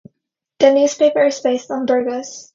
The newspaper is based in Burgos.